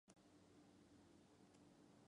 Blackburn nació en Burbank, California.